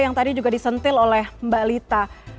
yang tadi juga disentil oleh mbak lita